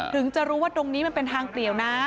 ถึงจะรู้ว่าตรงนี้มันเป็นทางเปลี่ยวนะ